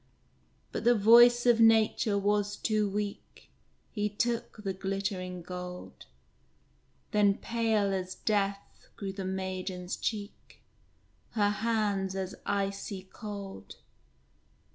But the voice of nature was too weak; He took the glittering gold! Then pale as death grew the maiden's cheek, Her hands as icy cold.